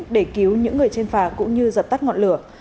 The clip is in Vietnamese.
để cứu những người trên phà cũng như dập tắt ngọn lửa